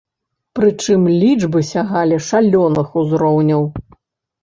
Прычым, лічбы сягалі шалёных узроўняў.